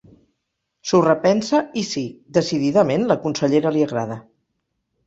S'ho repensa i sí, decididament, la consellera li agrada.